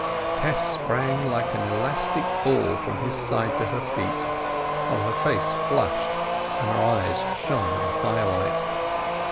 Tess sprang like an elastic ball from his side to her feet, while her face flushed and her eyes shone in the firelight.